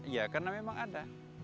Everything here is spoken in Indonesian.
ya karena memang ada